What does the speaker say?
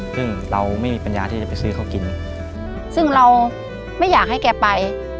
ซึ่งเราไม่มีปัญญาที่จะไปซื้อเขากินซึ่งเราไม่อยากให้แกไป